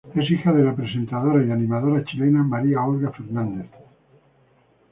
Es hija de la presentadora y animadora chilena María Olga Fernández.